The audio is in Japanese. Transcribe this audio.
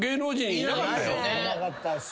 いなかったっすね。